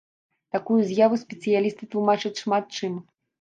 Такую з'яву спецыялісты тлумачаць шмат чым.